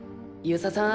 遊佐さん